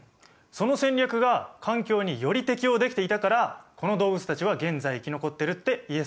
その戦略が環境により適応できていたからこの動物たちは現在生き残ってるって言えそうだ。